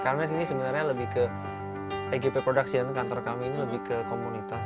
karena sini sebenarnya lebih ke egp productions kantor kami ini lebih ke komunitas